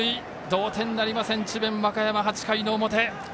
同点なりません、智弁和歌山８回の表。